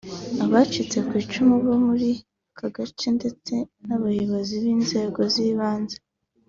Abacitse ku icumu bo muri aka gace ndetse n’abayobozi b’inzego z’ibanze